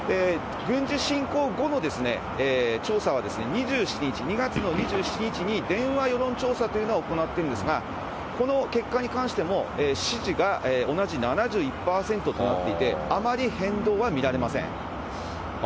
軍事侵攻後の調査は２７日、２月の２７日に電話世論調査というのを行っているんですが、この結果に関しても、支持が同じ７１％となっていて、あまり変動は見られません。